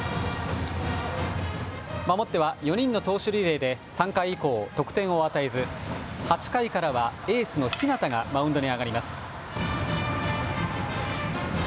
守っては４人の投手リレーで３回以降、得点を与えず８回からはエースの日當がマウンドに上がります。